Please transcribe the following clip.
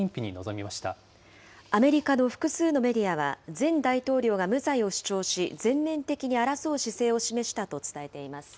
アメリカの複数のメディアは、前大統領が無罪を主張し、全面的に争う姿勢を示したと伝えています。